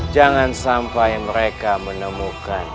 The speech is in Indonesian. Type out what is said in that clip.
jangan sampai mereka menemukan